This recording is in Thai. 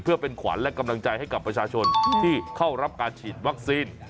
เพื่อเป็นขวัญและกำลังใจให้กับประชาชนที่เข้ารับการฉีดวัคซีน